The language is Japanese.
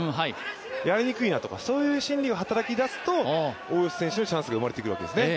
やりにくいなとかそういう心理が働き出すと大吉選手のチャンスが生まれてくるわけですね。